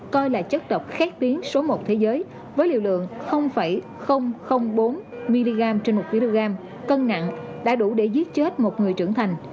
coi là chất độc khét biến số một thế giới với liều lượng bốn mg trên một kg cân nặng đã đủ để giết chết một người trưởng thành